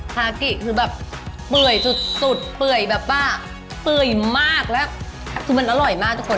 ทากิคือแบบเปื่อยสุดเปื่อยแบบว่าเปื่อยมากแล้วคือมันอร่อยมากทุกคน